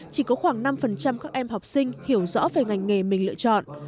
chỉ có khoảng năm các em học sinh hiểu rõ về ngành nghề mình lựa chọn